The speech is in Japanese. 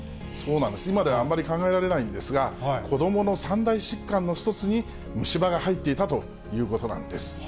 今ではあまり考えられないんですが、子どもの３大疾患の１つに虫歯が入っていたということなんです。